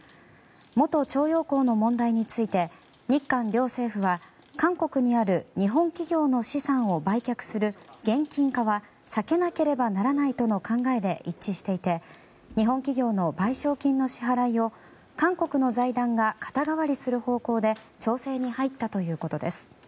元徴用工の問題について日韓両政府は韓国にある日本企業の資産を売却する現金化は避けなければならないとの考えで一致していて日本企業の賠償金の支払いを韓国の財団が肩代わりする方向で調整に入ったということです。